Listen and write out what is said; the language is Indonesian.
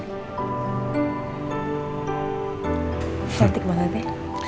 cantik banget ya